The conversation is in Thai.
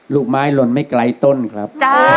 ลูกไม้ลนไม่ไกลต้นครับ